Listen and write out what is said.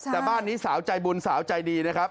แต่บ้านนี้สาวใจบุญสาวใจดีนะครับ